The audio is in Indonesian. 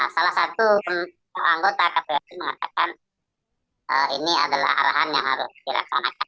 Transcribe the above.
salah satu anggota kpu mengatakan ini adalah arahan yang harus dilaksanakan